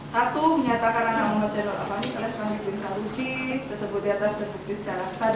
satu menyatakan anak umat za tidak akan mati